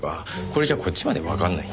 これじゃこっちまでわかんない。